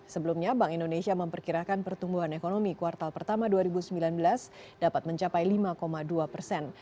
sebelumnya bank indonesia memperkirakan pertumbuhan ekonomi kuartal pertama dua ribu sembilan belas dapat mencapai lima dua persen